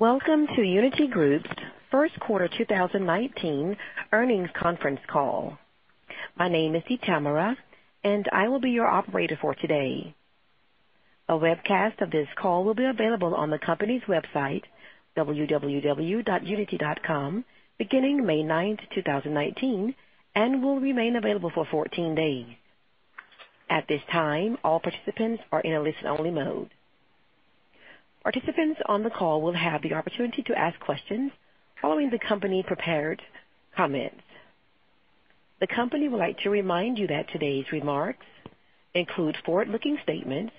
Welcome to Uniti Group's first quarter 2019 earnings conference call. My name is Ikamara, and I will be your operator for today. A webcast of this call will be available on the company's website, www.uniti.com, beginning May 9th, 2019, and will remain available for 14 days. At this time, all participants are in a listen-only mode. Participants on the call will have the opportunity to ask questions following the company prepared comments. The company would like to remind you that today's remarks include forward-looking statements,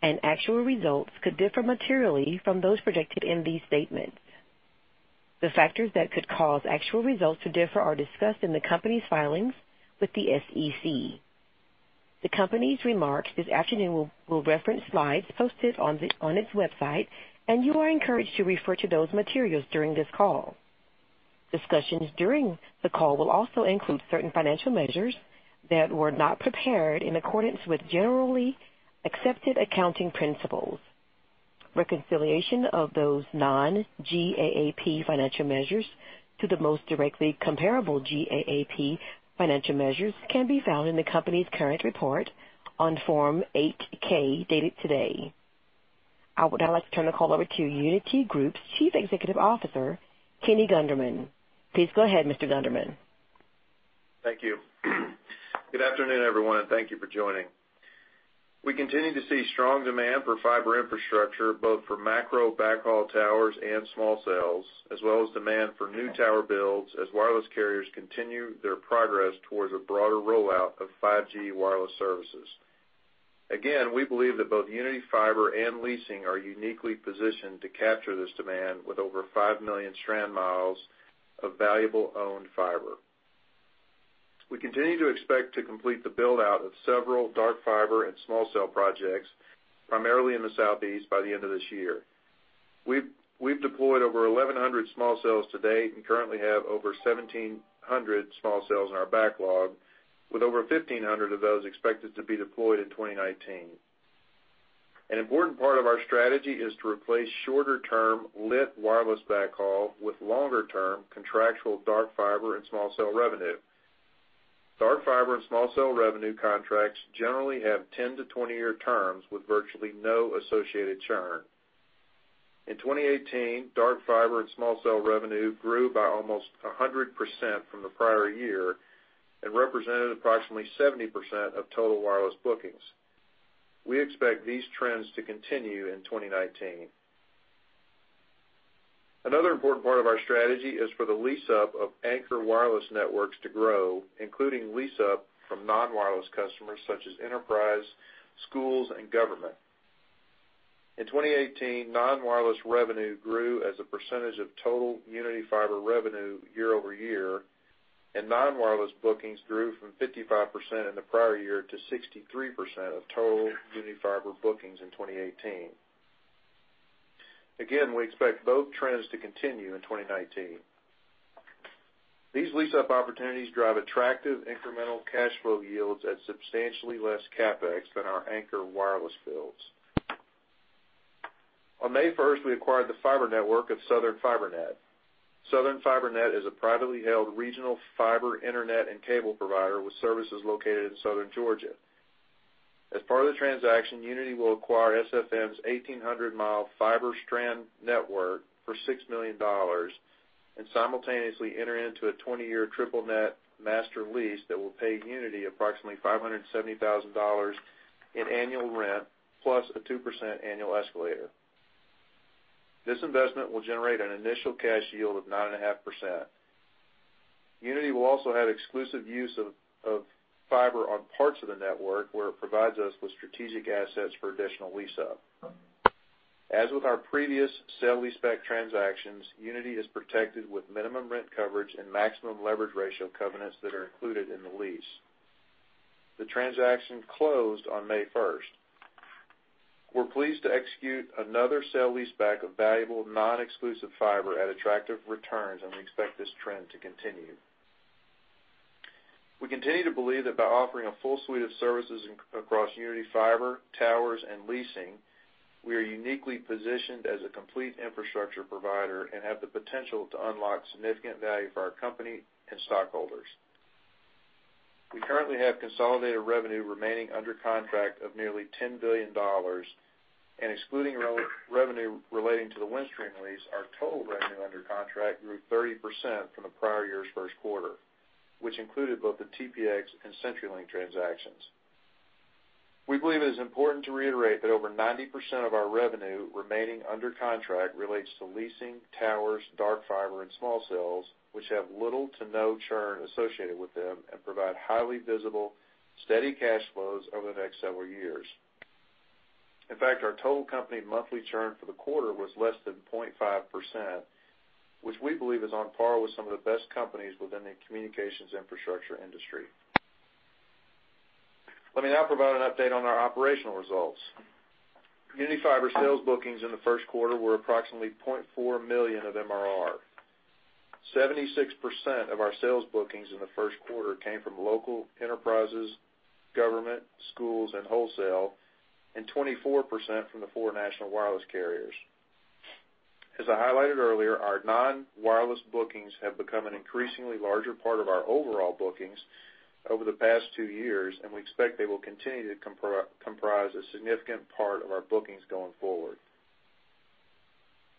and actual results could differ materially from those projected in these statements. The factors that could cause actual results to differ are discussed in the company's filings with the SEC. The company's remarks this afternoon will reference slides posted on its website, and you are encouraged to refer to those materials during this call. Discussions during the call will also include certain financial measures that were not prepared in accordance with generally accepted accounting principles. Reconciliation of those non-GAAP financial measures to the most directly comparable GAAP financial measures can be found in the company's current report on Form 8-K dated today. I would now like to turn the call over to Uniti Group's Chief Executive Officer, Kenny Gunderman. Please go ahead, Mr. Gunderman. Thank you. Good afternoon, everyone, and thank you for joining. We continue to see strong demand for fiber infrastructure, both for macro backhaul towers and small cells, as well as demand for new tower builds as wireless carriers continue their progress towards a broader rollout of 5G wireless services. Again, we believe that both Uniti Fiber and Uniti Leasing are uniquely positioned to capture this demand with over 5 million strand miles of valuable owned fiber. We continue to expect to complete the build-out of several dark fiber and small cell projects, primarily in the Southeast, by the end of this year. We've deployed over 1,100 small cells to date and currently have over 1,700 small cells in our backlog, with over 1,500 of those expected to be deployed in 2019. An important part of our strategy is to replace shorter-term lit wireless backhaul with longer-term contractual dark fiber and small cell revenue. Dark fiber and small cell revenue contracts generally have 10 to 20-year terms with virtually no associated churn. In 2018, dark fiber and small cell revenue grew by almost 100% from the prior year and represented approximately 70% of total wireless bookings. We expect these trends to continue in 2019. Another important part of our strategy is for the lease-up of anchor wireless networks to grow, including lease-up from non-wireless customers such as enterprise, schools, and government. In 2018, non-wireless revenue grew as a percentage of total Uniti Fiber revenue year-over-year, and non-wireless bookings grew from 55% in the prior year to 63% of total Uniti Fiber bookings in 2018. Again, we expect both trends to continue in 2019. These lease-up opportunities drive attractive incremental cash flow yields at substantially less CapEx than our anchor wireless builds. On May 1st, we acquired the fiber network of Southern Fiber Net. Southern Fiber Net is a privately held regional fiber internet and cable provider with services located in Southern Georgia. As part of the transaction, Uniti will acquire SFN's 1,800-mile fiber strand network for $6 million and simultaneously enter into a 20-year triple net master lease that will pay Uniti approximately $570,000 in annual rent, plus a 2% annual escalator. This investment will generate an initial cash yield of 9.5%. Uniti will also have exclusive use of fiber on parts of the network where it provides us with strategic assets for additional lease-up. As with our previous sale-leaseback transactions, Uniti is protected with minimum rent coverage and maximum leverage ratio covenants that are included in the lease. The transaction closed on May 1st. We're pleased to execute another sale leaseback of valuable non-exclusive fiber at attractive returns. We expect this trend to continue. We continue to believe that by offering a full suite of services across Uniti Fiber, Uniti Towers, and Uniti Leasing, we are uniquely positioned as a complete infrastructure provider and have the potential to unlock significant value for our company and stockholders. We currently have consolidated revenue remaining under contract of nearly $10 billion and excluding revenue relating to the Windstream lease, our total revenue under contract grew 30% from the prior year's first quarter, which included both the TPx and CenturyLink transactions. We believe it is important to reiterate that over 90% of our revenue remaining under contract relates to leasing towers, dark fiber, and small cells, which have little to no churn associated with them and provide highly visible, steady cash flows over the next several years. In fact, our total company monthly churn for the quarter was less than 0.5%, which we believe is on par with some of the best companies within the communications infrastructure industry. Let me now provide an update on our operational results. Uniti Fiber sales bookings in the first quarter were approximately $0.4 million of MRR. 76% of our sales bookings in the first quarter came from local enterprises, government, schools, and wholesale, and 24% from the four national wireless carriers. As I highlighted earlier, our non-wireless bookings have become an increasingly larger part of our overall bookings over the past two years. We expect they will continue to comprise a significant part of our bookings going forward.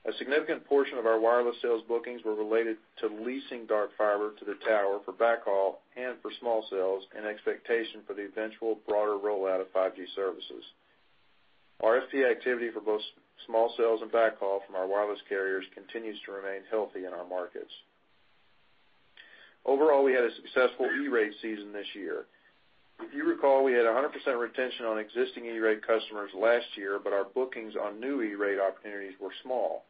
A significant portion of our wireless sales bookings were related to leasing dark fiber to the tower for backhaul and for small cells in expectation for the eventual broader rollout of 5G services. RFP activity for both small cells and backhaul from our wireless carriers continues to remain healthy in our markets. Overall, we had a successful E-Rate season this year. If you recall, we had 100% retention on existing E-Rate customers last year, but our bookings on new E-Rate opportunities were small.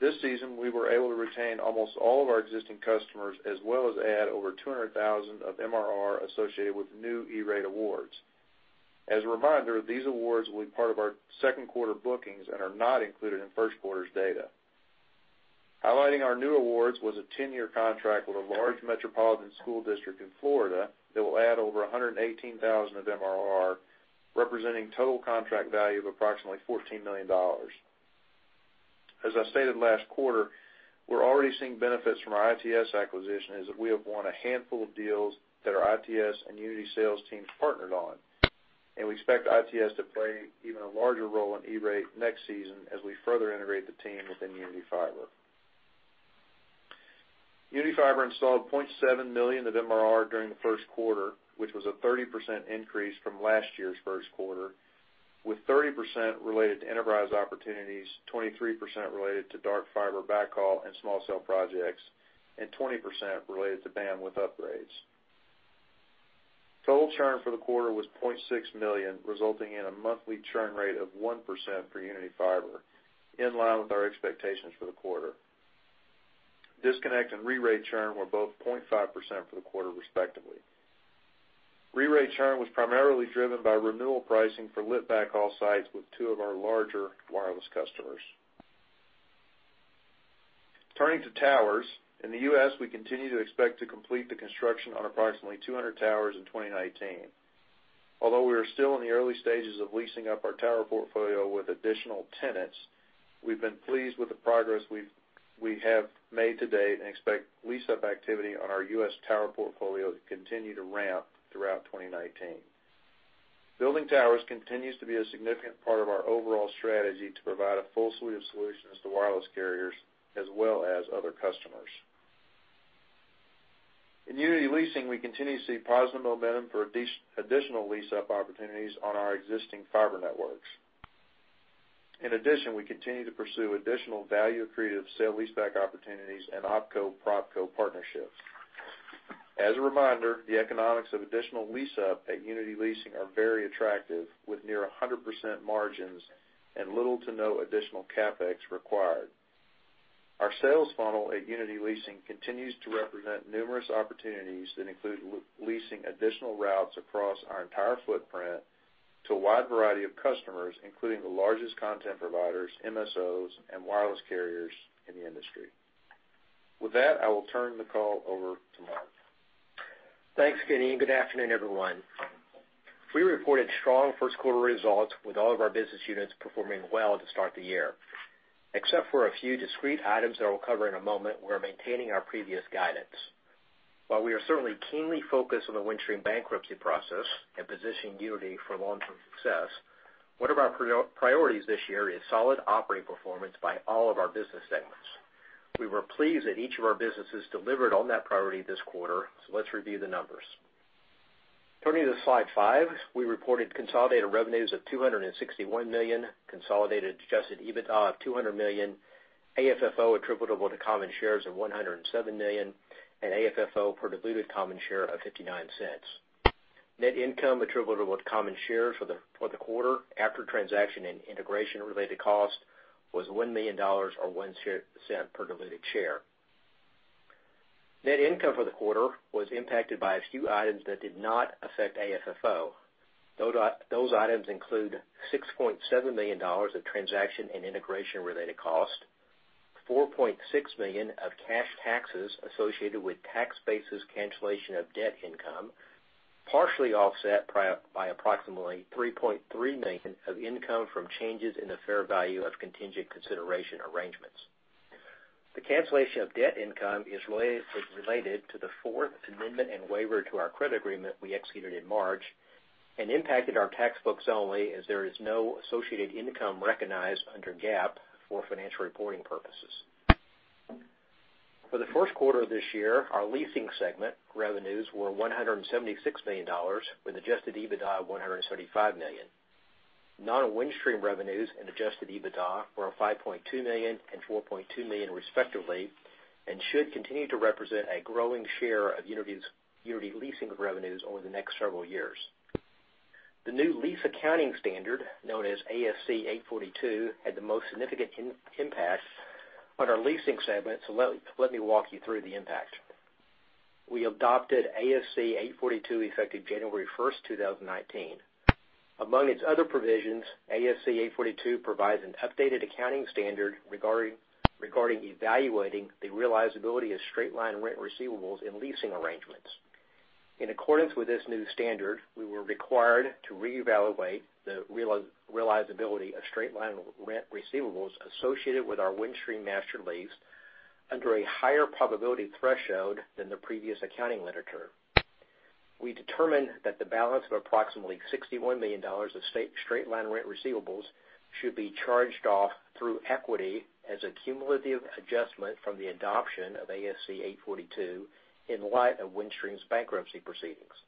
This season, we were able to retain almost all of our existing customers, as well as add over $200,000 of MRR associated with new E-Rate awards. As a reminder, these awards will be part of our second quarter bookings and are not included in first quarter's data. Highlighting our new awards was a 10-year contract with a large metropolitan school district in Florida that will add over $118,000 of MRR, representing total contract value of approximately $14 million. As I stated last quarter, we're already seeing benefits from our ITS acquisition, as we have won a handful of deals that our ITS and Uniti sales teams partnered on. We expect ITS to play even a larger role in E-Rate next season as we further integrate the team within Uniti Fiber. Uniti Fiber installed $0.7 million of MRR during the first quarter, which was a 30% increase from last year's first quarter, with 30% related to enterprise opportunities, 23% related to dark fiber backhaul and small cell projects, and 20% related to bandwidth upgrades. Total churn for the quarter was $0.6 million, resulting in a monthly churn rate of 1% for Uniti Fiber, in line with our expectations for the quarter. Disconnect and rerate churn were both 0.5% for the quarter respectively. Rerate churn was primarily driven by renewal pricing for lit backhaul sites with two of our larger wireless customers. Turning to towers. In the U.S., we continue to expect to complete the construction on approximately 200 towers in 2019. Although we are still in the early stages of leasing up our tower portfolio with additional tenants, we've been pleased with the progress we have made to date and expect lease-up activity on our U.S. tower portfolio to continue to ramp throughout 2019. Building towers continues to be a significant part of our overall strategy to provide a full suite of solutions to wireless carriers, as well as other customers. In Uniti Leasing, we continue to see positive momentum for additional lease-up opportunities on our existing fiber networks. In addition, we continue to pursue additional value-accretive sale-leaseback opportunities and opco/propco partnerships. As a reminder, the economics of additional lease-up at Uniti Leasing are very attractive, with near 100% margins and little to no additional CapEx required. Our sales funnel at Uniti Leasing continues to represent numerous opportunities that include leasing additional routes across our entire footprint to a wide variety of customers, including the largest content providers, MSOs, and wireless carriers in the industry. With that, I will turn the call over to Mark. Thanks, Kenny, and good afternoon, everyone. We reported strong first quarter results with all of our business units performing well to start the year. Except for a few discrete items that I'll cover in a moment, we're maintaining our previous guidance. While we are certainly keenly focused on the Windstream bankruptcy process and positioning Uniti for long-term success, one of our priorities this year is solid operating performance by all of our business segments. We were pleased that each of our businesses delivered on that priority this quarter, so let's review the numbers. Turning to slide five, we reported consolidated revenues of $261 million, consolidated adjusted EBITDA of $200 million, AFFO attributable to common shares of $107 million, and AFFO per diluted common share of $0.59. Net income attributable to common shares for the quarter after transaction and integration-related cost was $1 million or $0.01 per diluted share. Net income for the quarter was impacted by a few items that did not affect AFFO. Those items include $6.7 million of transaction and integration-related cost, $4.6 million of cash taxes associated with tax basis cancellation of debt income, partially offset by approximately $3.3 million of income from changes in the fair value of contingent consideration arrangements. The cancellation of debt income is related to the fourth amendment and waiver to our credit agreement we executed in March and impacted our tax books only as there is no associated income recognized under GAAP for financial reporting purposes. For the first quarter of this year, our leasing segment revenues were $176 million, with adjusted EBITDA of $175 million. Non-Windstream revenues and adjusted EBITDA were $5.2 million and $4.2 million respectively and should continue to represent a growing share of Uniti Leasing revenues over the next several years. The new lease accounting standard, known as ASC 842, had the most significant impact on our leasing segment, so let me walk you through the impact. We adopted ASC 842 effective January 1, 2019. Among its other provisions, ASC 842 provides an updated accounting standard regarding evaluating the realizability of straight-line rent receivables in leasing arrangements. In accordance with this new standard, we were required to reevaluate the realizability of straight-line rent receivables associated with our Windstream master lease under a higher probability threshold than the previous accounting literature. We determined that the balance of approximately $61 million of straight-line rent receivables should be charged off through equity as a cumulative adjustment from the adoption of ASC 842 in light of Windstream's bankruptcy proceedings.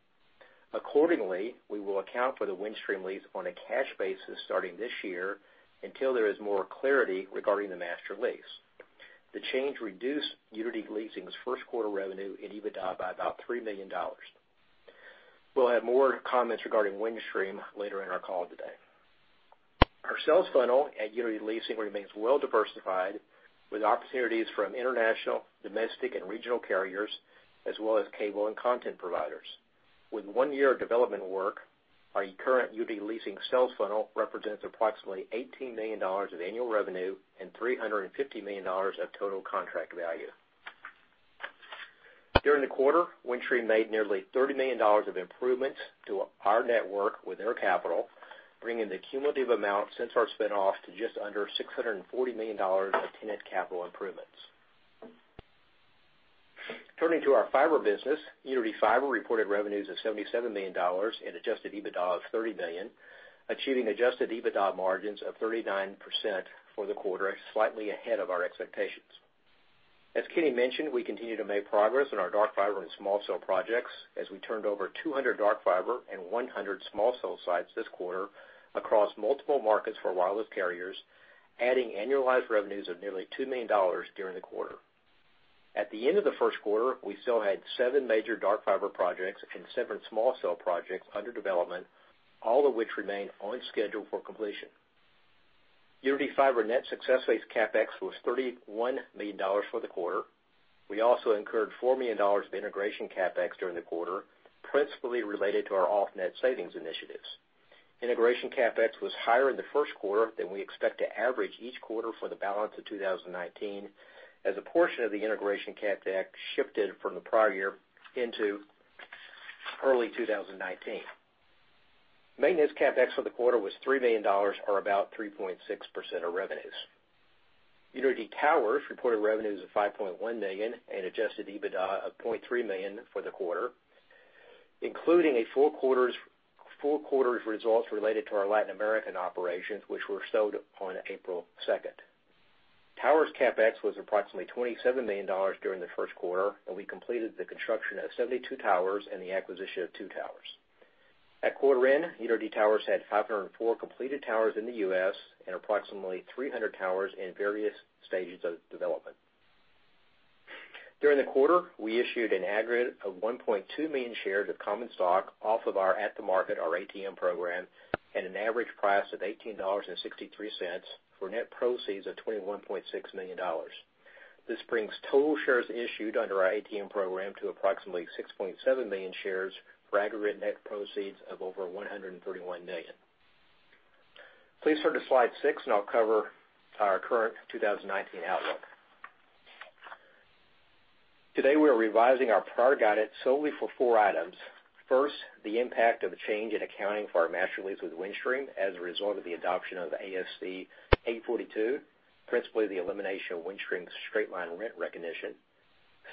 Accordingly, we will account for the Windstream lease on a cash basis starting this year until there is more clarity regarding the master lease. The change reduced Uniti Leasing's first quarter revenue and EBITDA by about $3 million. We will have more comments regarding Windstream later in our call today. Our sales funnel at Uniti Leasing remains well diversified with opportunities from international, domestic, and regional carriers, as well as cable and content providers. With one year of development work, our current Uniti Leasing sales funnel represents approximately $18 million of annual revenue and $350 million of total contract value. During the quarter, Windstream made nearly $30 million of improvements to our network with their capital, bringing the cumulative amount since our spin off to just under $640 million of tenant capital improvements. Turning to our fiber business, Uniti Fiber reported revenues of $77 million and adjusted EBITDA of $30 million, achieving adjusted EBITDA margins of 39% for the quarter, slightly ahead of our expectations. As Kenny mentioned, we continue to make progress on our dark fiber and small cell projects as we turned over 200 dark fiber and 100 small cell sites this quarter across multiple markets for wireless carriers, adding annualized revenues of nearly $2 million during the quarter. At the end of the first quarter, we still had seven major dark fiber projects and seven small cell projects under development, all of which remain on schedule for completion. Uniti Fiber net success-based CapEx was $31 million for the quarter. We also incurred $4 million of integration CapEx during the quarter, principally related to our off-net savings initiatives. Integration CapEx was higher in the first quarter than we expect to average each quarter for the balance of 2019, as a portion of the integration CapEx shifted from the prior year into early 2019. Maintenance CapEx for the quarter was $3 million, or about 3.6% of revenues. Uniti Towers reported revenues of $5.1 million and adjusted EBITDA of $0.3 million for the quarter, including a full quarter's results related to our Latin American operations, which were sold on April 2nd. Towers CapEx was approximately $27 million during the first quarter, and we completed the construction of 72 towers and the acquisition of two towers. At quarter end, Uniti Towers had 504 completed towers in the U.S. and approximately 300 towers in various stages of development. During the quarter, we issued an aggregate of 1.2 million shares of common stock off of our at-the-market, our ATM program, at an average price of $18.63 for net proceeds of $21.6 million. This brings total shares issued under our ATM program to approximately 6.7 million shares for aggregate net proceeds of over $131 million. Please turn to slide seven. I'll cover our current 2019 outlook. Today, we are revising our prior guidance solely for four items. First, the impact of the change in accounting for our master lease with Windstream as a result of the adoption of ASC 842, principally the elimination of Windstream's straight-line rent recognition.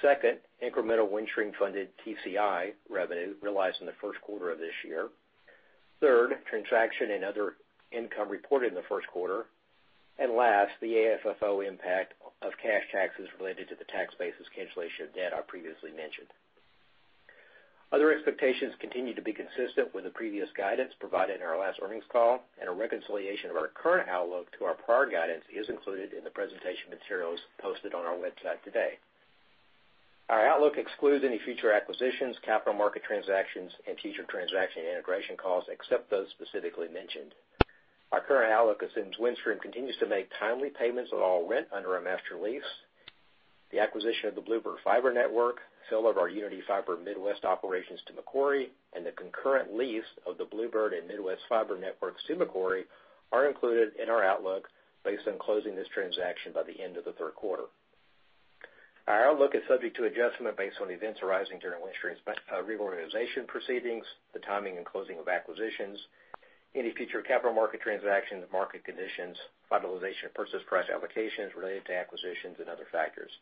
Second, incremental Windstream-funded TCI revenue realized in the first quarter of this year. Third, transaction and other income reported in the first quarter. Last, the AFFO impact of cash taxes related to the tax-based cancellation of debt I previously mentioned. Other expectations continue to be consistent with the previous guidance provided in our last earnings call, and a reconciliation of our current outlook to our prior guidance is included in the presentation materials posted on our website today. Our outlook excludes any future acquisitions, capital market transactions, and future transaction integration costs, except those specifically mentioned. Our current outlook assumes Windstream continues to make timely payments on all rent under our master lease. The acquisition of the Bluebird Fiber network, sale of our Uniti Fiber Midwest operations to Macquarie, and the concurrent lease of the Bluebird and Midwest Fiber networks to Macquarie are included in our outlook based on closing this transaction by the end of the third quarter. Our outlook is subject to adjustment based on events arising during Windstream's reorganization proceedings, the timing and closing of acquisitions, any future capital market transactions, market conditions, finalization of purchase price allocations related to acquisitions, and other factors.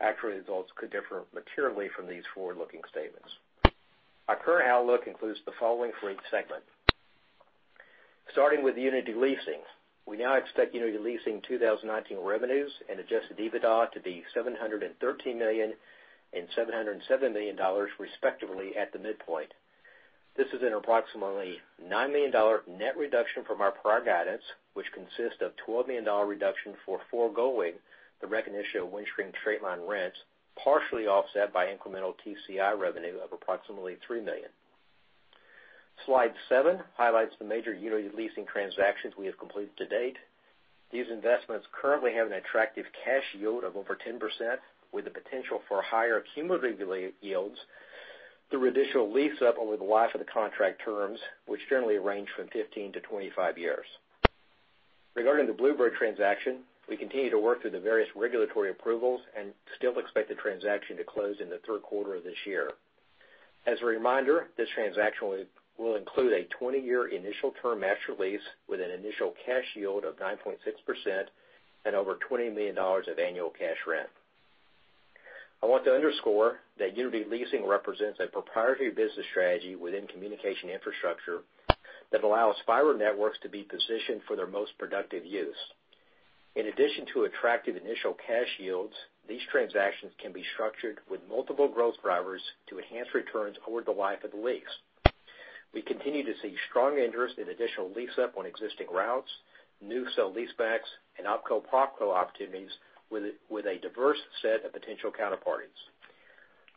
Actual results could differ materially from these forward-looking statements. Our current outlook includes the following for each segment. Starting with Uniti Leasing, we now expect Uniti Leasing 2019 revenues and adjusted EBITDA to be $713 million and $707 million respectively at the midpoint. This is an approximately $9 million net reduction from our prior guidance, which consists of a $12 million reduction for foregoing the recognition of Windstream straight-line rents, partially offset by incremental TCI revenue of approximately $3 million. Slide seven highlights the major Uniti Leasing transactions we have completed to date. These investments currently have an attractive cash yield of over 10%, with the potential for higher cumulative yields through additional lease up over the life of the contract terms, which generally range from 15 to 25 years. Regarding the Bluebird transaction, we continue to work through the various regulatory approvals and still expect the transaction to close in the third quarter of this year. As a reminder, this transaction will include a 20-year initial term master lease with an initial cash yield of 9.6% and over $20 million of annual cash rent. I want to underscore that Uniti Leasing represents a proprietary business strategy within communications infrastructure that allows fiber networks to be positioned for their most productive use. In addition to attractive initial cash yields, these transactions can be structured with multiple growth drivers to enhance returns over the life of the lease. We continue to see strong interest in additional lease up on existing routes, new sale-leasebacks, and opco/propco opportunities with a diverse set of potential counterparties.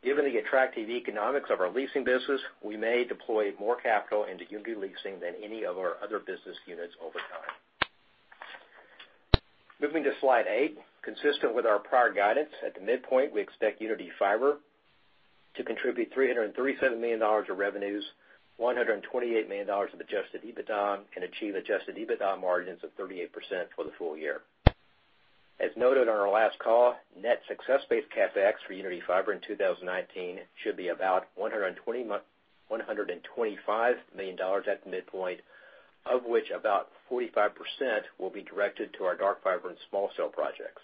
Given the attractive economics of our leasing business, we may deploy more capital into Uniti Leasing than any of our other business units over time. Moving to slide eight. Consistent with our prior guidance, at the midpoint, we expect Uniti Fiber to contribute $337 million of revenues, $128 million of adjusted EBITDA, and achieve adjusted EBITDA margins of 38% for the full year. As noted on our last call, net success-based CapEx for Uniti Fiber in 2019 should be about $125 million at the midpoint, of which about 45% will be directed to our dark fiber and small cell projects.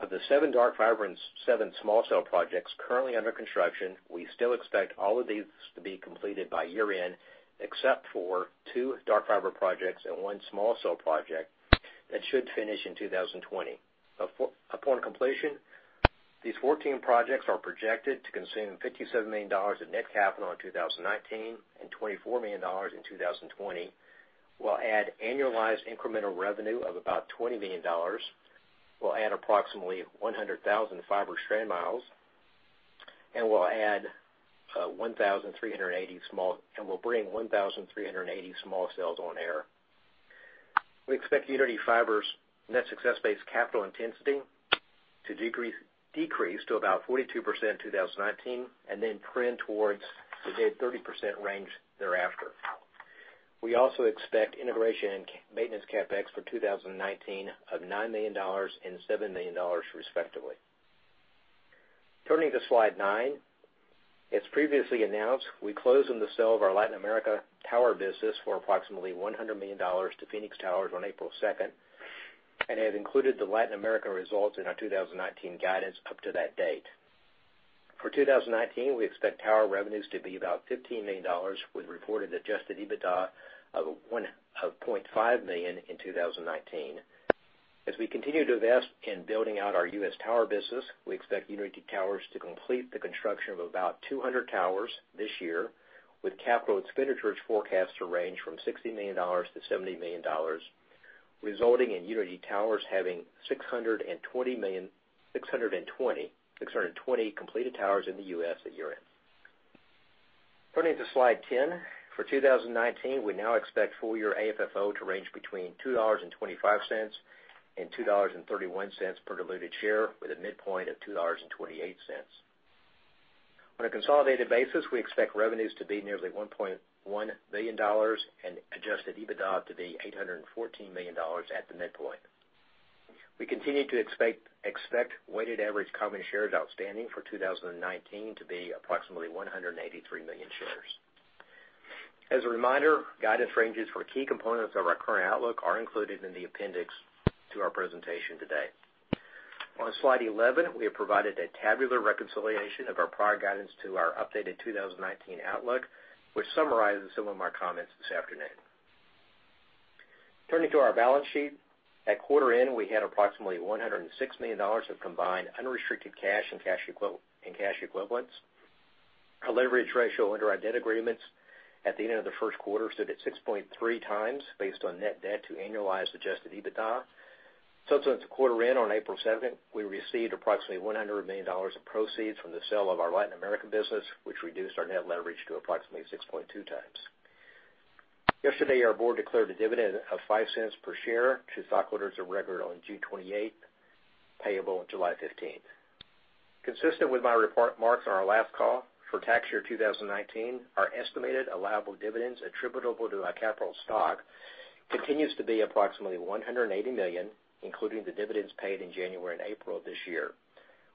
Of the seven dark fiber and seven small cell projects currently under construction, we still expect all of these to be completed by year-end, except for two dark fiber projects and one small cell project that should finish in 2020. Upon completion, these 14 projects are projected to consume $57 million in net capital in 2019, and $24 million in 2020, will add annualized incremental revenue of about $20 million, will add approximately 100,000 fiber strand miles, and will bring 1,380 small cells on air. We expect Uniti Fiber's net success-based capital intensity to decrease to about 42% in 2019, and then trend towards the mid-30% range thereafter. We also expect integration and maintenance CapEx for 2019 of $9 million and $7 million respectively. Turning to slide nine. As previously announced, we closed on the sale of our Latin America tower business for approximately $100 million to Phoenix Towers on April 2nd, and have included the Latin America results in our 2019 guidance up to that date. For 2019, we expect tower revenues to be about $15 million, with reported adjusted EBITDA of $0.5 million in 2019. As we continue to invest in building out our U.S. tower business, we expect Uniti Towers to complete the construction of about 200 towers this year, with capital expenditures forecast to range from $60 million-$70 million, resulting in Uniti Towers having 620 completed towers in the U.S. at year-end. Turning to slide 10. For 2019, we now expect full-year AFFO to range between $2.25 and $2.31 per diluted share, with a midpoint of $2.28. On a consolidated basis, we expect revenues to be nearly $1.1 billion, and adjusted EBITDA to be $814 million at the midpoint. We continue to expect weighted average common shares outstanding for 2019 to be approximately 183 million shares. As a reminder, guidance ranges for key components of our current outlook are included in the appendix to our presentation today. On slide 11, we have provided a tabular reconciliation of our prior guidance to our updated 2019 outlook, which summarizes some of my comments this afternoon. Turning to our balance sheet. At quarter end, we had approximately $106 million of combined unrestricted cash and cash equivalents. Our leverage ratio under our debt agreements at the end of the first quarter stood at 6.3 times, based on net debt to annualized adjusted EBITDA. Since quarter end on April 7th, we received approximately $100 million of proceeds from the sale of our Latin America business, which reduced our net leverage to approximately 6.2 times. Yesterday, our board declared a dividend of $0.05 per share to stockholders of record on June 28th, payable July 15th. Consistent with my remarks on our last call, for tax year 2019, our estimated allowable dividends attributable to our capital stock continues to be approximately $180 million, including the dividends paid in January and April of this year.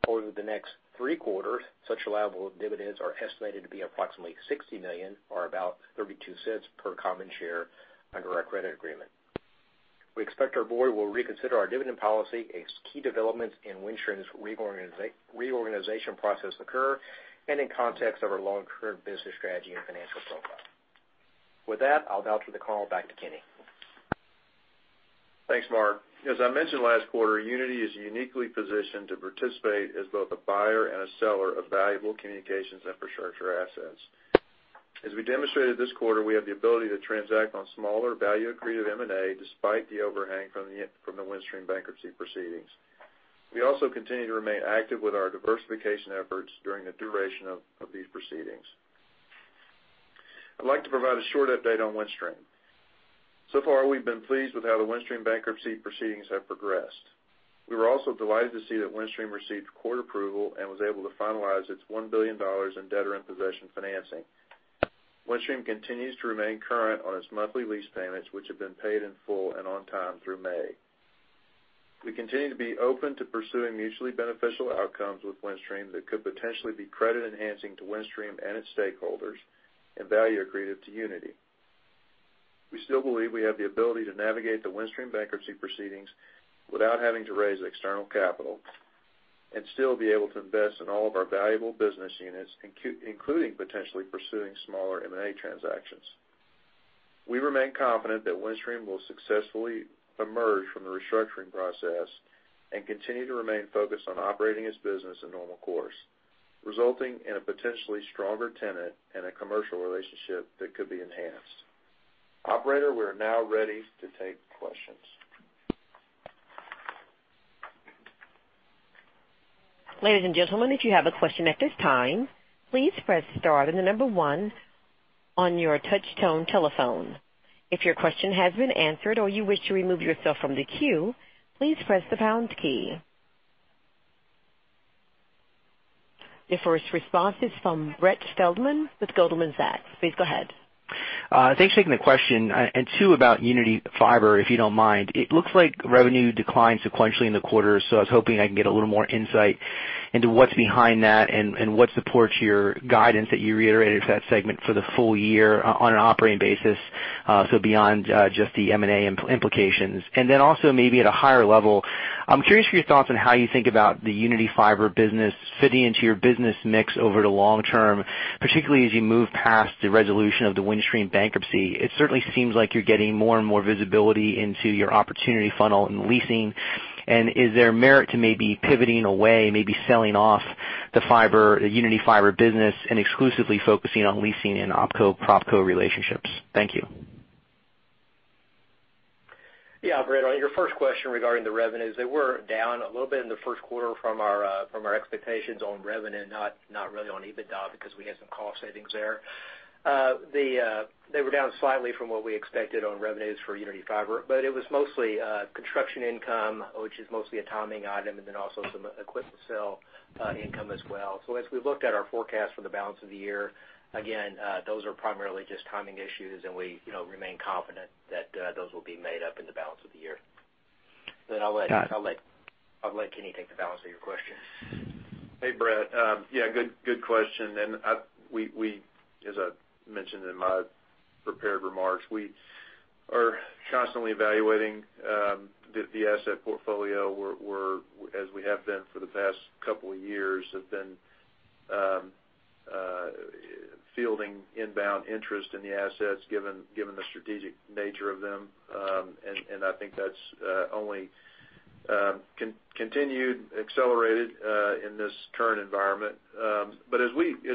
Over the next three quarters, such allowable dividends are estimated to be approximately $60 million or about $0.32 per common share under our credit agreement. We expect our board will reconsider our dividend policy as key developments in Windstream's reorganization process occur and in context of our long-term business strategy and financial profile. With that, I'll bounce the call back to Kenny. Thanks, Mark. As I mentioned last quarter, Uniti is uniquely positioned to participate as both a buyer and a seller of valuable communications infrastructure assets. As we demonstrated this quarter, we have the ability to transact on smaller value accretive M&A despite the overhang from the Windstream bankruptcy proceedings. We also continue to remain active with our diversification efforts during the duration of these proceedings. I'd like to provide a short update on Windstream. So far, we've been pleased with how the Windstream bankruptcy proceedings have progressed. We were also delighted to see that Windstream received court approval and was able to finalize its $1 billion in debtor-in-possession financing. Windstream continues to remain current on its monthly lease payments, which have been paid in full and on time through May. We continue to be open to pursuing mutually beneficial outcomes with Windstream that could potentially be credit-enhancing to Windstream and its stakeholders and value accretive to Uniti. We still believe we have the ability to navigate the Windstream bankruptcy proceedings without having to raise external capital and still be able to invest in all of our valuable business units, including potentially pursuing smaller M&A transactions. We remain confident that Windstream will successfully emerge from the restructuring process and continue to remain focused on operating its business in normal course, resulting in a potentially stronger tenant and a commercial relationship that could be enhanced. Operator, we are now ready to take questions. Ladies and gentlemen, if you have a question at this time, please press star then the number one on your touch tone telephone. If your question has been answered or you wish to remove yourself from the queue, please press the pound key. Your first response is from Brett Feldman with Goldman Sachs. Please go ahead. Thanks for taking the question. Two about Uniti Fiber, if you don't mind. It looks like revenue declined sequentially in the quarter, so I was hoping I can get a little more insight into what's behind that and what supports your guidance that you reiterated for that segment for the full year on an operating basis, so beyond just the M&A implications. Then also maybe at a higher level, I'm curious for your thoughts on how you think about the Uniti Fiber business fitting into your business mix over the long term, particularly as you move past the resolution of the Windstream bankruptcy. It certainly seems like you're getting more and more visibility into your opportunity funnel and leasing. Is there merit to maybe pivoting away, maybe selling off the Uniti Fiber business and exclusively focusing on leasing and opco-propco relationships? Thank you. Yeah, Brett. On your first question regarding the revenues, they were down a little bit in the first quarter from our expectations on revenue, not really on EBITDA, because we had some cost savings there. They were down slightly from what we expected on revenues for Uniti Fiber, but it was mostly construction income, which is mostly a timing item, and also some equipment sale income as well. As we looked at our forecast for the balance of the year, again, those are primarily just timing issues and we remain confident that those will be made up in the balance of the year. I'll let Kenny take the balance of your question. Hey, Brett. Yeah, good question. As I mentioned in my prepared remarks, we are constantly evaluating the asset portfolio. As we have been for the past couple of years, have been fielding inbound interest in the assets, given the strategic nature of them, and I think that's only continued, accelerated in this current environment. As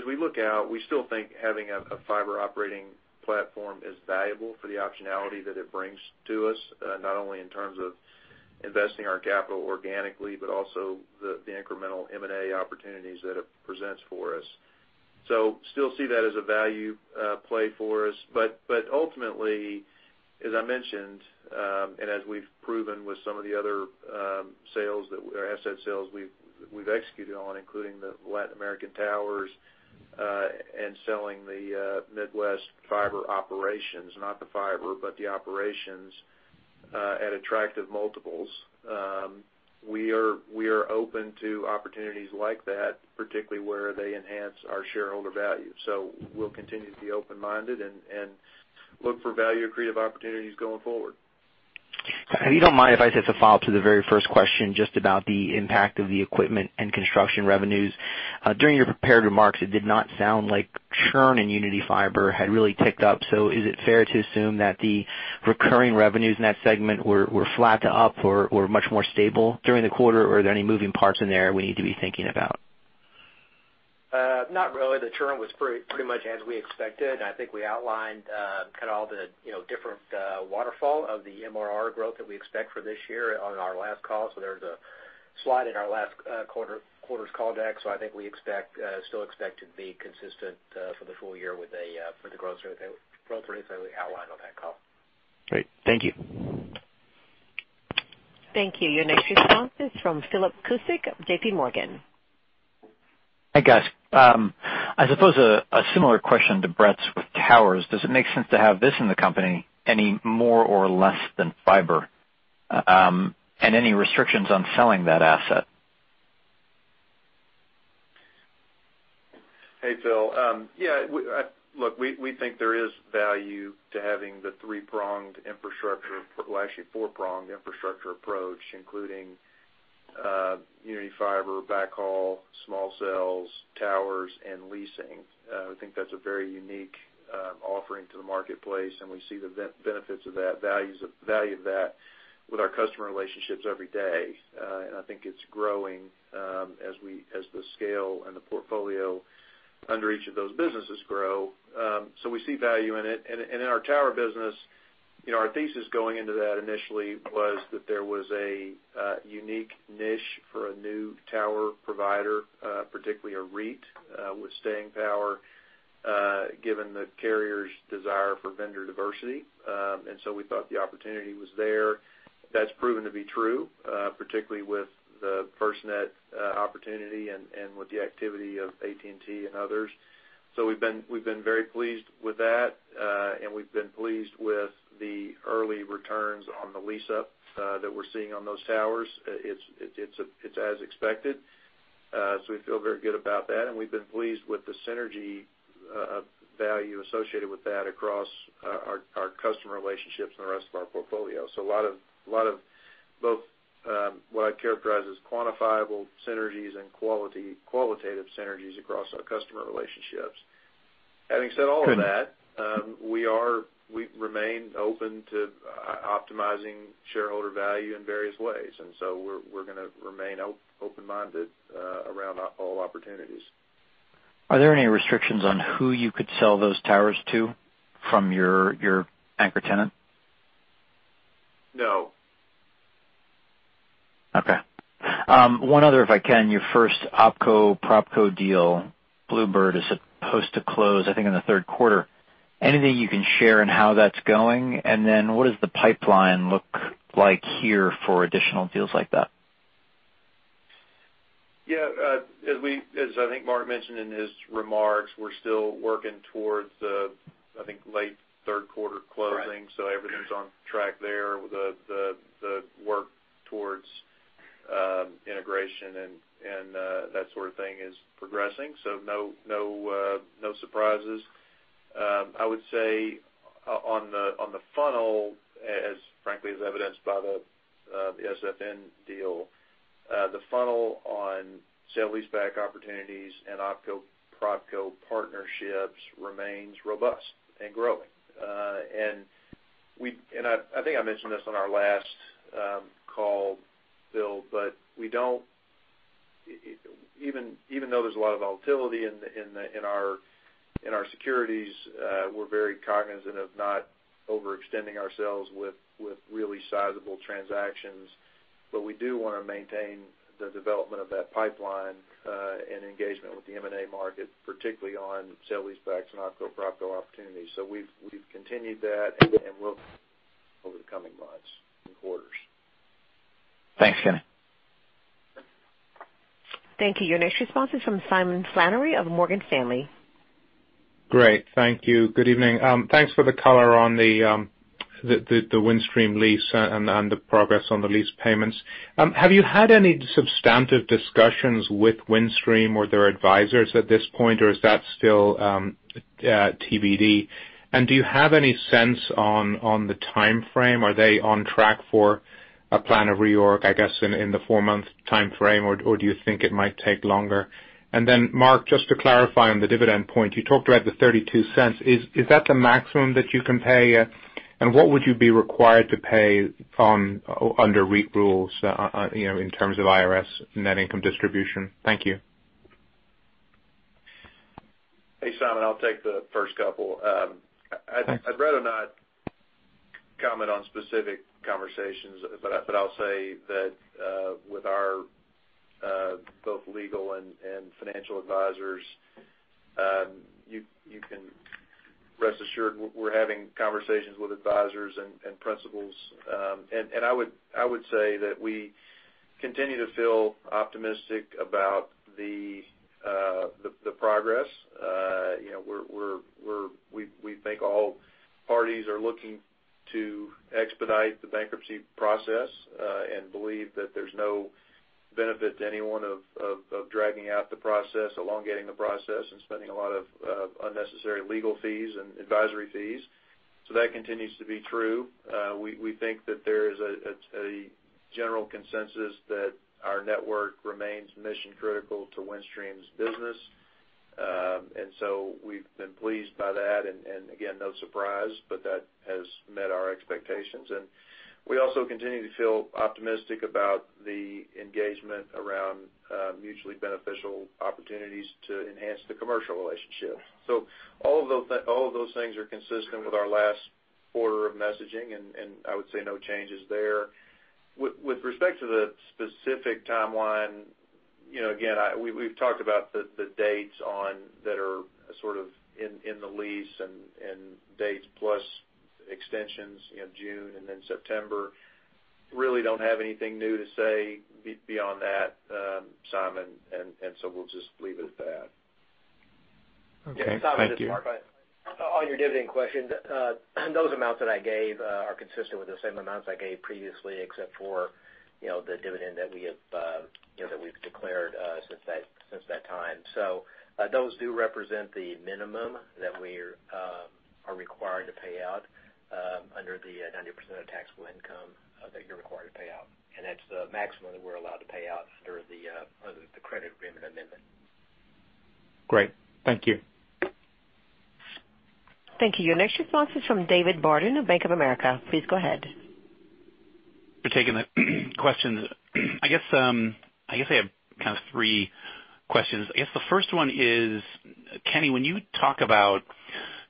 we look out, we still think having a fiber operating platform is valuable for the optionality that it brings to us, not only in terms of investing our capital organically, but also the incremental M&A opportunities that it presents for us. Still see that as a value play for us. Ultimately, as I mentioned, and as we've proven with some of the other asset sales we've executed on, including the Latin American towers, and selling the Midwest fiber operations, not the fiber, but the operations, at attractive multiples. We are open to opportunities like that, particularly where they enhance our shareholder value. We'll continue to be open-minded and look for value-accretive opportunities going forward. If you don't mind, if I just follow up to the very first question, just about the impact of the equipment and construction revenues. During your prepared remarks, it did not sound like churn in Uniti Fiber had really ticked up. Is it fair to assume that the recurring revenues in that segment were flat to up or much more stable during the quarter, or are there any moving parts in there we need to be thinking about? Not really. The churn was pretty much as we expected, and I think we outlined all the different waterfall of the MRR growth that we expect for this year on our last call. There's a slide in our last quarter's call deck. I think we still expect to be consistent for the full year with the growth rates that we outlined on that call. Great. Thank you. Thank you. Your next response is from Philip Cusick of JPMorgan. Hi, guys. I suppose a similar question to Brett's with towers. Does it make sense to have this in the company any more or less than fiber? Any restrictions on selling that asset? Hey, Phil. Look, we think there is value to having the three-pronged infrastructure, well, actually four-pronged infrastructure approach, including Uniti Fiber, backhaul, small cells, towers, and leasing. I think that's a very unique offering to the marketplace, and we see the benefits of that, value of that with our customer relationships every day. I think it's grown as the scale and the portfolio under each of those businesses grow. We see value in it. In our tower business, our thesis going into that initially was that there was a unique niche for a new tower provider, particularly a REIT, with staying power given the carrier's desire for vendor diversity. We thought the opportunity was there. That's proven to be true, particularly with the FirstNet opportunity and with the activity of AT&T and others. We've been very pleased with that, and we've been pleased with the early returns on the lease-up that we're seeing on those towers. It's as expected. We feel very good about that, and we've been pleased with the synergy of value associated with that across our customer relationships and the rest of our portfolio. A lot of both what I'd characterize as quantifiable synergies and qualitative synergies across our customer relationships. Having said all of that, we remain open to optimizing shareholder value in various ways. We're going to remain open-minded around all opportunities. Are there any restrictions on who you could sell those towers to from your anchor tenant? No. Okay. One other, if I can. Your first opco-propco deal, Bluebird, is supposed to close, I think, in the third quarter. Anything you can share on how that's going? What does the pipeline look like here for additional deals like that? Yeah. As I think Mark mentioned in his remarks, we're still working towards the, I think, late third quarter closing. Right. Everything's on track there. The work towards integration and that sort of thing is progressing. No surprises. I would say on the funnel, frankly as evidenced by the SFN deal, the funnel on sale-leaseback opportunities and opco-propco partnerships remains robust and growing. I think I mentioned this on our last call, Phil, even though there's a lot of volatility in our securities, we're very cognizant of not overextending ourselves with really sizable transactions. We do want to maintain the development of that pipeline, and engagement with the M&A market, particularly on sale-leasebacks and opco-propco opportunities. We've continued that, and we'll over the coming months and quarters. Thanks, Kenny. Thank you. Your next response is from Simon Flannery of Morgan Stanley. Great. Thank you. Good evening. Thanks for the color on the Windstream lease and the progress on the lease payments. Have you had any substantive discussions with Windstream or their advisors at this point, or is that still TBD? Do you have any sense on the timeframe? Are they on track for a plan of reorg, I guess, in the four-month timeframe, or do you think it might take longer? Mark, just to clarify on the dividend point, you talked about the $0.32. Is that the maximum that you can pay? What would you be required to pay under REIT rules in terms of IRS net income distribution? Thank you. Hey, Simon. I'll take the first couple. Thanks. I'd rather not comment on specific conversations, but I'll say that with our both legal and financial advisors, you can rest assured we're having conversations with advisors and principals. We continue to feel optimistic about the progress. We think all parties are looking to expedite the bankruptcy process, and believe that there's no benefit to anyone of dragging out the process, elongating the process, and spending a lot of unnecessary legal fees and advisory fees. That continues to be true. We think that there is a general consensus that our network remains mission-critical to Windstream's business. We've been pleased by that and, again, no surprise, but that has met our expectations. We also continue to feel optimistic about the engagement around mutually beneficial opportunities to enhance the commercial relationship. All of those things are consistent with our last quarter of messaging, and I would say no changes there. With respect to the specific timeline, again, we've talked about the dates that are sort of in the lease and dates plus extensions, June and then September. Really don't have anything new to say beyond that, Simon, and so we'll just leave it at that. Okay. Thank you. Simon, this is Mark. Go ahead. On your dividend question, those amounts that I gave are consistent with the same amounts I gave previously, except for the dividend that we've declared since that time. Those do represent the minimum that we are required to pay out under the 90% of taxable income that you're required to pay out. That's the maximum that we're allowed to pay out under the credit agreement amendment. Great. Thank you. Thank you. Your next response is from David Barden of Bank of America. Please go ahead. for taking the questions. I have kind of three questions. The first one is, Kenny, when you talk about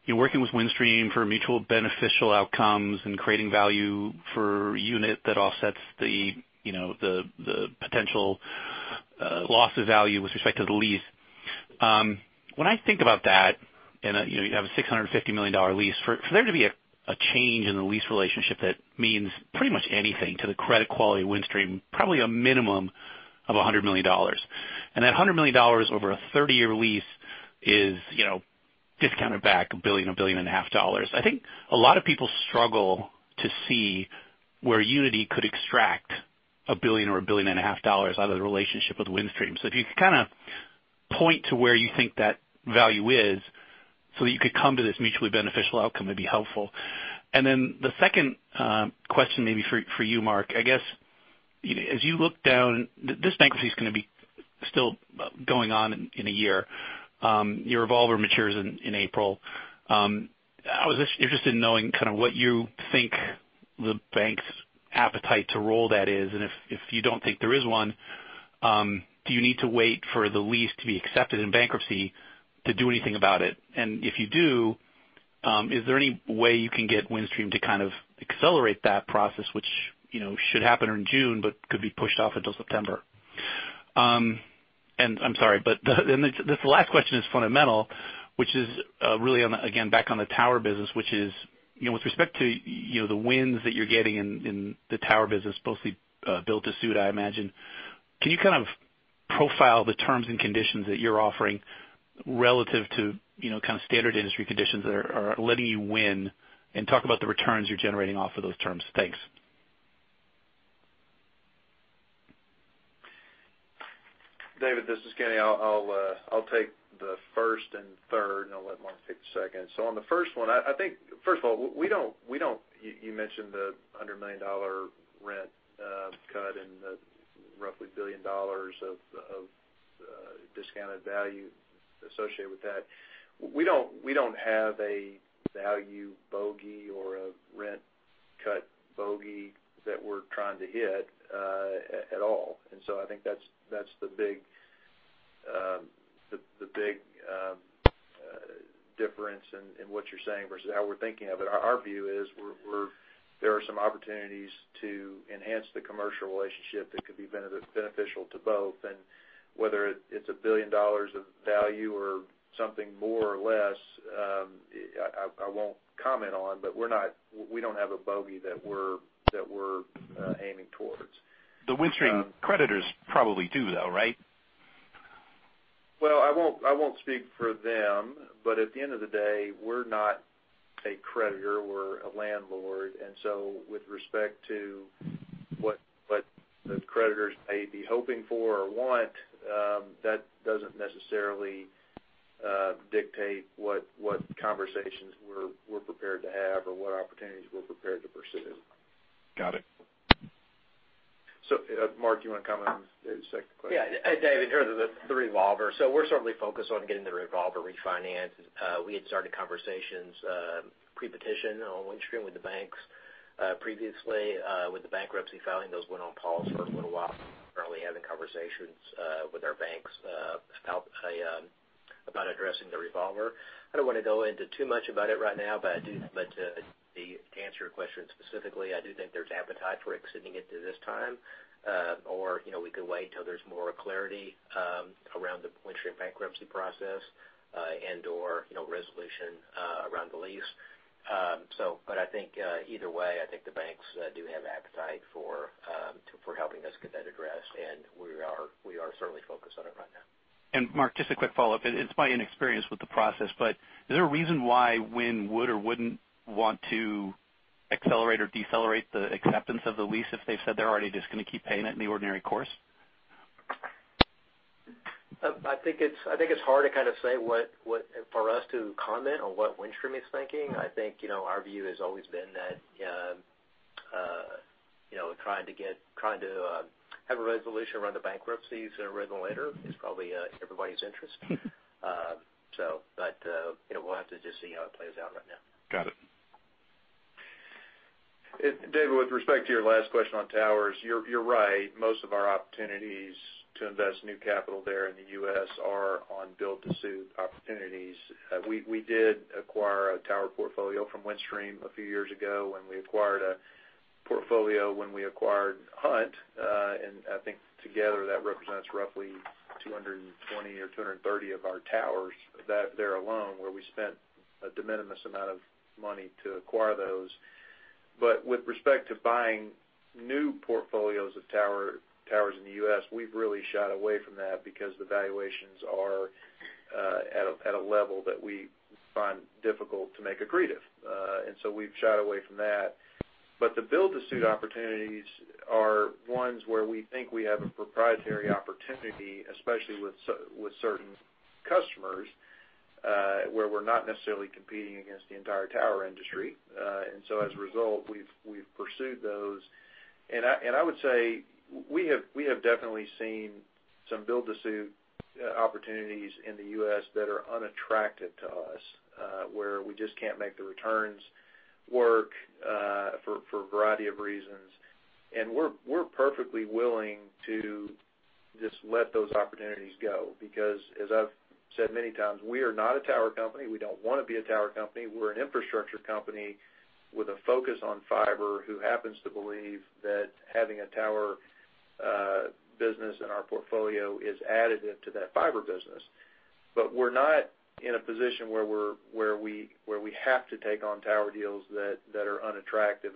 you working with Windstream for mutual beneficial outcomes and creating value for Uniti that offsets the potential loss of value with respect to the lease. When I think about that and you have a $650 million lease, for there to be a change in the lease relationship that means pretty much anything to the credit quality of Windstream, probably a minimum of $100 million. That $100 million over a 30-year lease is discounted back $1 billion, $1.5 billion. I think a lot of people struggle to see where Uniti could extract $1 billion or $1.5 billion out of the relationship with Windstream. If you could kind of point to where you think that value is so that you could come to this mutually beneficial outcome, it'd be helpful. The second question maybe for you, Mark, I guess, as you look down, this bankruptcy's going to be still going on in a year. Your revolver matures in April. I was interested in knowing kind of what you think the bank's appetite to roll that is, and if you don't think there is one, do you need to wait for the lease to be accepted in bankruptcy to do anything about it? If you do, is there any way you can get Windstream to kind of accelerate that process, which should happen in June but could be pushed off until September? I'm sorry, this last question is fundamental, which is really, again, back on the tower business, which is, with respect to the wins that you're getting in the tower business, mostly build to suit, I imagine. Can you kind of profile the terms and conditions that you're offering relative to kind of standard industry conditions that are letting you win and talk about the returns you're generating off of those terms? Thanks. David, this is Kenny. I'll take the first and third, and I'll let Mark take the second. On the first one, I think, first of all, you mentioned the $100 million rent cut and the roughly $1 billion of discounted value associated with that. We don't have a value bogey or a rent cut bogey that we're trying to hit at all. I think that's the big difference in what you're saying versus how we're thinking of it. Our view is there are some opportunities to enhance the commercial relationship that could be beneficial to both. Whether it's $1 billion of value or something more or less, I won't comment on, but we don't have a bogey that we're aiming towards. The Windstream creditors probably do, though, right? Well, I won't speak for them, but at the end of the day, we're not a creditor, we're a landlord. With respect to what those creditors may be hoping for or want, that doesn't necessarily dictate what conversations we're prepared to have or what opportunities we're prepared to pursue. Got it. Mark, do you want to comment on David's second question? Yeah. David, here, the revolver. We're certainly focused on getting the revolver refinanced. We had started conversations, pre-petition on Windstream with the banks previously. With the bankruptcy filing, those went on pause for a little while. Currently having conversations with our banks about addressing the revolver. I don't want to go into too much about it right now, but to answer your question specifically, I do think there's appetite for extending it to this time. Or we could wait until there's more clarity around the Windstream bankruptcy process, and/or resolution around the lease. I think, either way, I think the banks do have appetite for helping us get that addressed, and we are certainly focused on it right now. Mark, just a quick follow-up. It's my inexperience with the process, but is there a reason why Wind would or wouldn't want to accelerate or decelerate the acceptance of the lease if they've said they're already just going to keep paying it in the ordinary course? I think it's hard to kind of say for us to comment on what Windstream is thinking. I think our view has always been that trying to have a resolution around the bankruptcies sooner rather than later is probably everybody's interest. We'll have to just see how it plays out right now. Got it. David, with respect to your last question on towers, you're right. Most of our opportunities to invest new capital there in the U.S. are on build-to-suit opportunities. We did acquire a tower portfolio from Windstream a few years ago when we acquired a portfolio, when we acquired Hunt. I think together, that represents roughly 220 or 230 of our towers there alone, where we spent a de minimis amount of money to acquire those. With respect to buying new portfolios of towers in the U.S., we've really shied away from that because the valuations are at a level that we find difficult to make accretive. So we've shied away from that. The build-to-suit opportunities are ones where we think we have a proprietary opportunity, especially with certain customers, where we're not necessarily competing against the entire tower industry. As a result, we've pursued those. I would say we have definitely seen some build to suit opportunities in the U.S. that are unattractive to us, where we just can't make the returns work for a variety of reasons. We're perfectly willing to just let those opportunities go because, as I've said many times, we are not a tower company. We don't want to be a tower company. We're an infrastructure company with a focus on fiber, who happens to believe that having a tower business in our portfolio is additive to that fiber business. We're not in a position where we have to take on tower deals that are unattractive.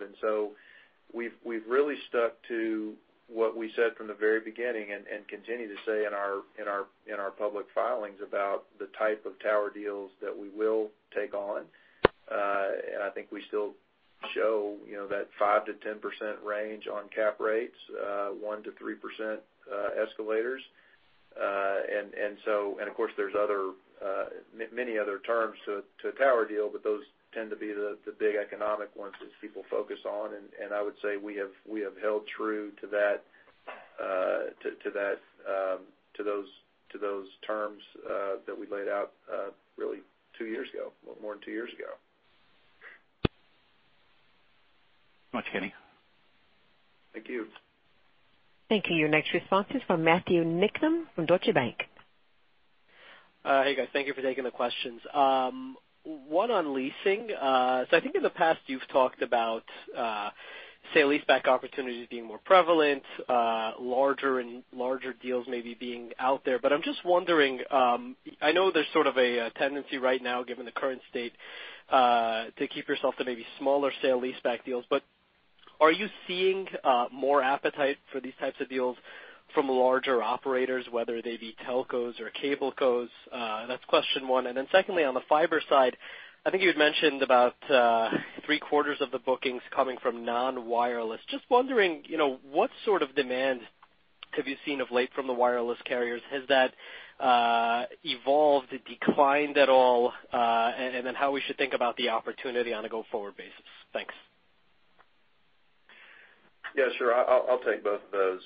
We've really stuck to what we said from the very beginning and continue to say in our public filings about the type of tower deals that we will take on. I think we still show that 5%-10% range on cap rates, 1%-3% escalators. Of course, there's many other terms to a tower deal, but those tend to be the big economic ones that people focus on. I would say we have held true to those terms that we laid out really two years ago, a little more than two years ago. Thanks so much, Kenny. Thank you. Thank you. Your next response is from Matthew Niknam from Deutsche Bank. Hey, guys. Thank you for taking the questions. One on leasing. I think in the past you've talked about sale leaseback opportunities being more prevalent, larger and larger deals maybe being out there. I'm just wondering, I know there's sort of a tendency right now, given the current state, to keep yourself to maybe smaller sale leaseback deals. Are you seeing more appetite for these types of deals from larger operators, whether they be telcos or cablecos? That's question one. Secondly, on the fiber side, I think you had mentioned about three-quarters of the bookings coming from non-wireless. Just wondering, what sort of demand have you seen of late from the wireless carriers? Has that evolved, declined at all? And then how we should think about the opportunity on a go-forward basis. Thanks. Yeah, sure. I'll take both of those.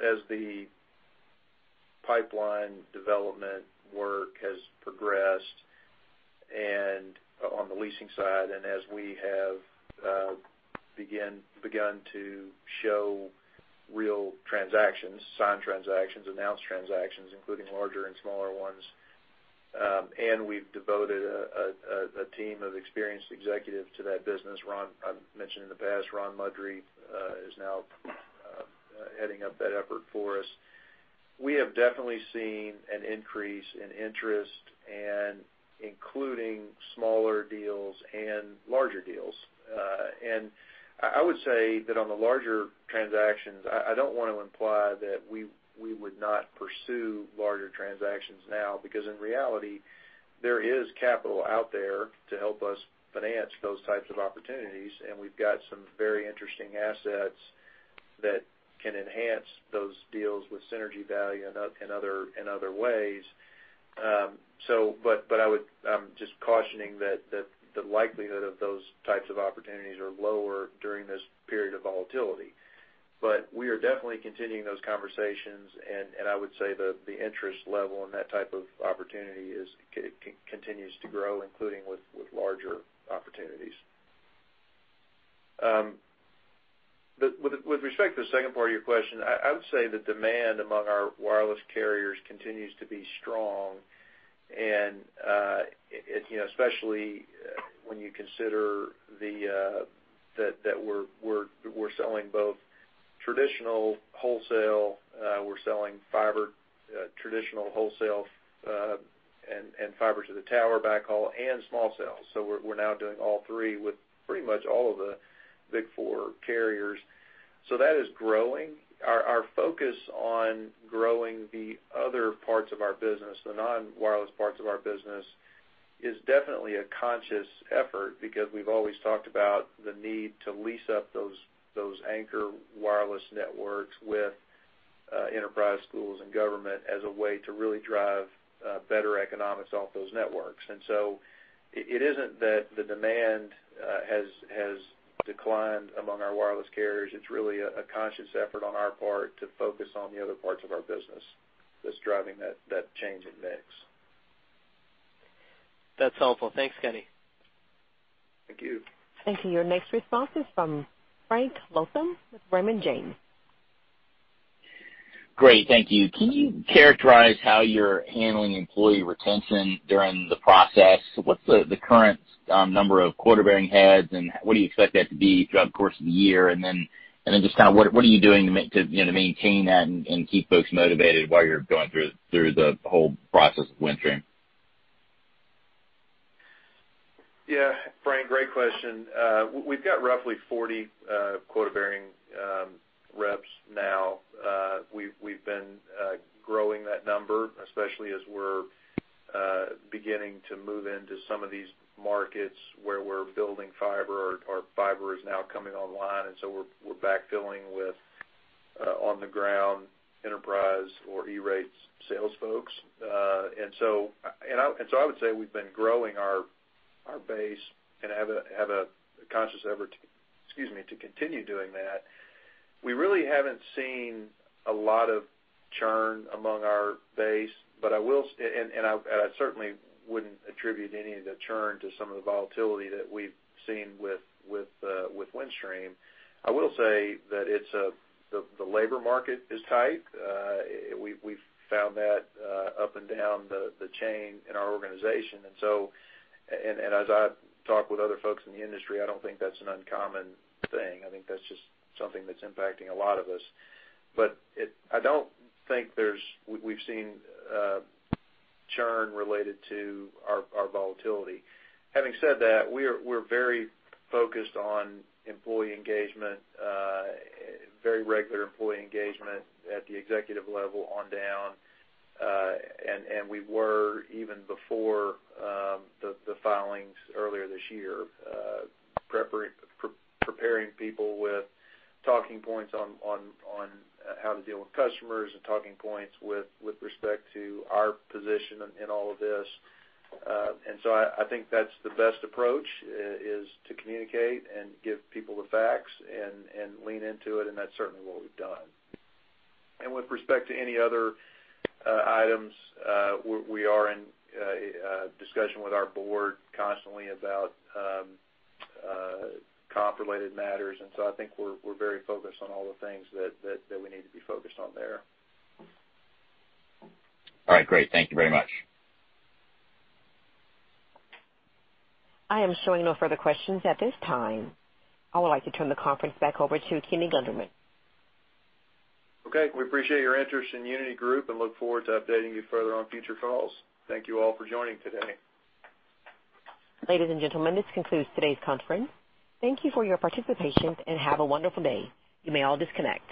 As the pipeline development work has progressed and on the leasing side, and as we have begun to show real transactions, signed transactions, announced transactions, including larger and smaller ones, and we've devoted a team of experienced executives to that business. I've mentioned in the past, Ron Mudry is now heading up that effort for us. We have definitely seen an increase in interest and including smaller deals and larger deals. I would say that on the larger transactions, I don't want to imply that we would not pursue larger transactions now, because in reality, there is capital out there to help us finance those types of opportunities, and we've got some very interesting assets that can enhance those deals with synergy value in other ways. I'm just cautioning that the likelihood of those types of opportunities are lower during this period of volatility. We are definitely continuing those conversations, and I would say the interest level in that type of opportunity continues to grow, including with larger opportunities. With respect to the second part of your question, I would say the demand among our wireless carriers continues to be strong, and especially when you consider that we're selling both traditional wholesale, we're selling fiber, traditional wholesale and fiber to the tower backhaul and small cells. We're now doing all three with pretty much all of the big four carriers. That is growing. Our focus on growing the other parts of our business, the non-wireless parts of our business, is definitely a conscious effort because we've always talked about the need to lease up those anchor wireless networks with enterprise schools and government as a way to really drive better economics off those networks. It isn't that the demand has declined among our wireless carriers. It's really a conscious effort on our part to focus on the other parts of our business that's driving that change in mix. That's helpful. Thanks, Kenny. Thank you. Thank you. Your next response is from Frank Louthan with Raymond James. Great. Thank you. Can you characterize how you're handling employee retention during the process? What's the current number of quota-bearing heads, and what do you expect that to be throughout the course of the year? What are you doing to maintain that and keep folks motivated while you're going through the whole process of Windstream? Yeah, Frank, great question. We've got roughly 40 quota-bearing reps now. We've been growing that number, especially as we're beginning to move into some of these markets where we're building fiber or fiber is now coming online, so we're backfilling with on-the-ground enterprise or E-Rate sales folks. I would say we've been growing our base and have a conscious effort, excuse me, to continue doing that. We really haven't seen a lot of churn among our base, and I certainly wouldn't attribute any of the churn to some of the volatility that we've seen with Windstream. I will say that the labor market is tight. We've found that up and down the chain in our organization. As I talk with other folks in the industry, I don't think that's an uncommon thing. I think that's just something that's impacting a lot of us. I don't think we've seen churn related to our volatility. Having said that, we're very focused on employee engagement, very regular employee engagement at the executive level on down. We were, even before the filings earlier this year, preparing people with talking points on how to deal with customers and talking points with respect to our position in all of this. I think that's the best approach, is to communicate and give people the facts and lean into it, and that's certainly what we've done. With respect to any other items, we are in discussion with our board constantly about comp-related matters. I think we're very focused on all the things that we need to be focused on there. All right, great. Thank you very much. I am showing no further questions at this time. I would like to turn the conference back over to Kenny Gunderman. Okay. We appreciate your interest in Uniti Group and look forward to updating you further on future calls. Thank you all for joining today. Ladies and gentlemen, this concludes today's conference. Thank you for your participation, and have a wonderful day. You may all disconnect.